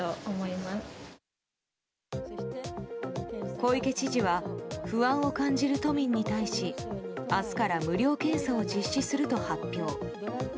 小池知事は不安を感じる都民に対し明日から無料検査を実施すると発表。